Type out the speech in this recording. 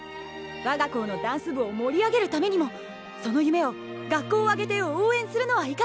我が校のダンス部を盛り上げるためにもその夢を学校を挙げて応援するのはいかがでしょうか？